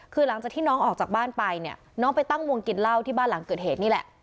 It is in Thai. คือหลังจากที่น้องออกจากบ้านไปเนี่ยน้องไปตั้งวงกินเหล้าที่บ้านหลังเกิดเหตุนี่แหละ